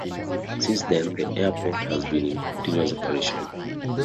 Since then, the airport has been in continuous operation.